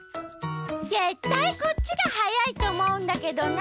ぜったいこっちがはやいとおもうんだけどな。